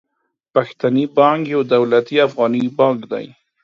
پښتني بانک يو دولتي افغاني بانک دي.